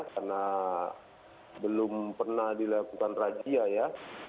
karena belum pernah dilakukan rajia ya